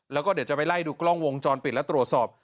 แล้วก็เดี๋ยวจะไปไล่ดูกล้องวงจรปิดและตรวจสอบ